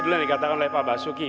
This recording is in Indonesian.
dulu yang dikatakan oleh pak basuki